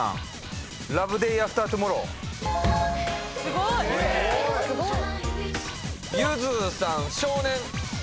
すごい！ゆずさん少年。